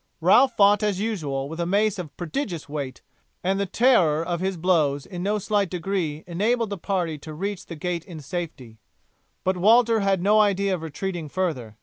Ralph fought as usual with a mace of prodigious weight, and the terror of his blows in no slight degree enabled the party to reach the gate in safety, but Walter had no idea of retreating further.